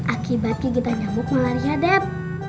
akibatnya kita nyambuk malaria deb